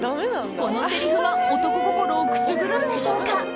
このせりふは男心をくすぐるんでしょうか。